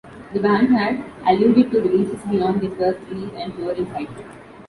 The band had alluded to releases beyond their first release and touring cycle.